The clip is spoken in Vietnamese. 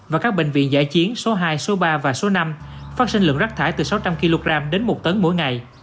và các bệnh viện giải chiến số hai số ba và số năm phát sinh lượng rác thải từ sáu trăm linh kg đến một tấn mỗi ngày